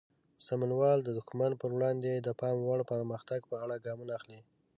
سمونوال د دښمن پر وړاندې د پام وړ پرمختګ په اړه ګامونه اخلي.